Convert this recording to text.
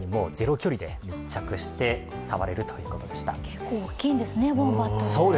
結構大きいんですね、ウォンバットって。